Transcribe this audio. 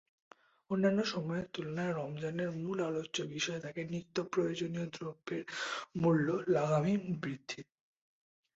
অন্যান্য সময়ের তুলনায় রমজানের মূল আলোচ্য বিষয় থাকে নিত্যপ্রয়োজনীয় দ্রব্যের মূল্য লাগামহীন বৃদ্ধি।